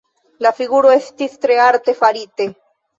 La figuro estis tre arte farita.